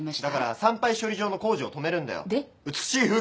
だから産廃処理場の工事を止めるんだよ。